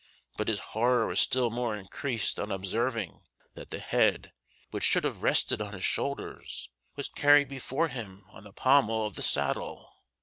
but his horror was still more increased on observing that the head, which should have rested on his shoulders, was carried before him on the pommel of the saddle.